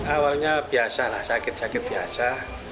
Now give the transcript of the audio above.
awalnya biasa lah sakit sakit biasa